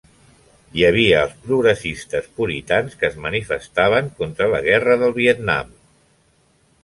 Hi havia els progressistes puritans que manifestaven contra la guerra del Vietnam.